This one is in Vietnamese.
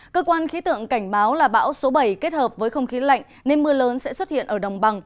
cơ quan khí tượng cảnh báo là bão số bảy kết hợp với không khí lạnh nên mưa lớn sẽ xuất hiện ở đồng bằng